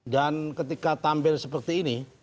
dan ketika tampil seperti ini